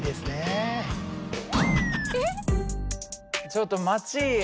ちょっと待ちや。